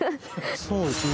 そうですね。